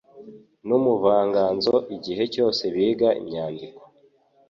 n'ubuvanganzo igihe cyose biga imyandiko